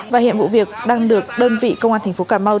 và hiện vụ việc đang được đơn vị công an tp cà mau